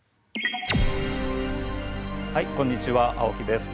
はいこんにちは青木です。